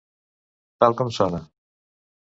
Tal com sona.